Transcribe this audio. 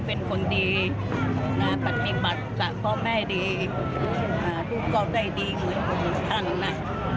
พูดก็ได้ดีเหมือนคนอื่นทางลงแน่น